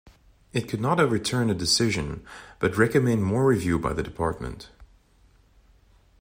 It could not overturn a decision, but recommend more review by the department.